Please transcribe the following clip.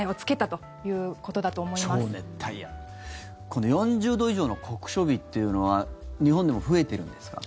この４０度以上の酷暑日というのは日本でも増えているんですか？